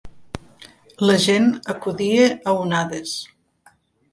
La gent acudia a onades.